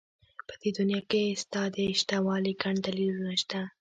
په دې دنيا کې ستا د شتهوالي گڼ دلیلونه شته.